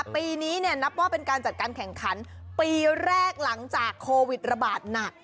ปีนี้นับว่าเป็นการจัดการแข่งขันปีแรกหลังจากโควิดระบาดหนัก